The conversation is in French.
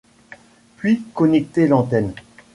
Puis connecter l’antenne.